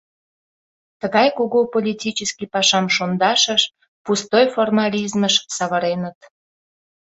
Тыгай кугу политический пашам шондашыш — пустой формализмыш — савыреныт.